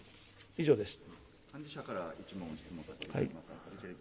以上です。